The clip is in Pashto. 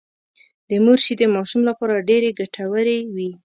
د مور شېدې د ماشوم لپاره ډېرې ګټورې وي